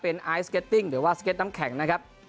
เป็นไอซ์เก็ตติ้งหรือว่าสเก็ตน้ำแข็งนะครับ